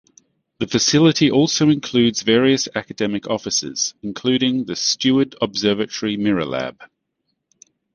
The facility also includes various academic offices, including the Steward Observatory Mirror Lab.